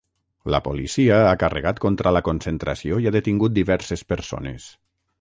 La policia ha carregat contra la concentració i ha detingut diverses persones.